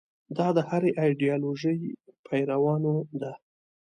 دا د هرې ایدیالوژۍ پیروانو ده.